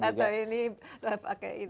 atau ini pakai ini